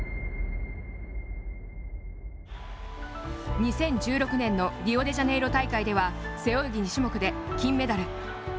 ２０１６年のリオデジャネイロ大会では背泳ぎ２種目で金メダル。